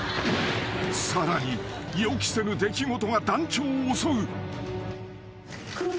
［さらに予期せぬ出来事が団長を襲う］